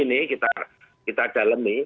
ini kita dalemi